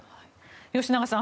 吉永さん